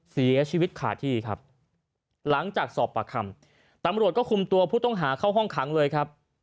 เสียชีวิตขาดที่ครับหลังจากสอบปากคำตำรวจก็คุมตัวผู้ต้องหาเข้าห้องขังเลยครับ